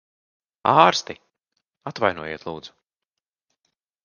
Ārsti! Atvainojiet, lūdzu.